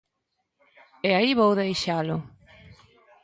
E aí vou deixalo.